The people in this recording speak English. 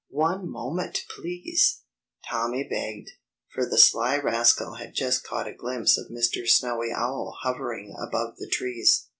"One moment, please!" Tommy begged, for the sly rascal had just caught a glimpse of Mr. Snowy Owl hovering above the trees.